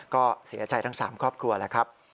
ก็เสียใจทั้ง๓ครอบครัวแล้วครับ